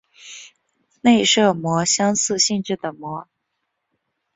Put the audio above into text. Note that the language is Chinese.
内射模相似性质的模。